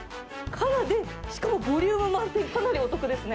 しかもボリューム満点、かなりお得ですね。